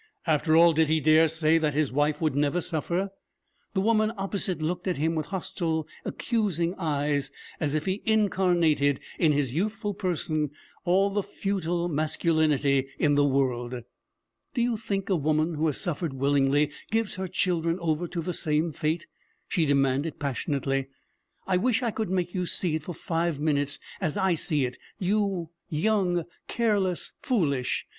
After all, did he dare say that his wife would never suffer? The woman opposite looked at him with hostile, accusing eyes, as if he incarnated in his youthful person all the futile masculinity in the world. 'Do you think a woman who has suffered willingly gives her children over to the same fate?' she demanded passionately. 'I wish I could make you see it for five minutes as I see it, you, young, careless, foolish!